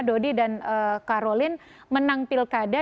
dodi dan karolin menang pilkada